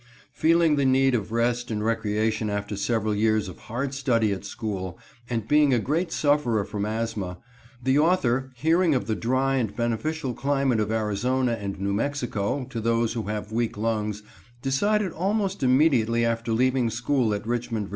Feeling the need of rest and recreation after several years of hard study at school, and being a great sufferer from asthma, the author, hearing of the dry and beneficial climate of Arizona and New Mexico to those who have weak lungs, decided almost immediately after leaving school at Richmond, Va.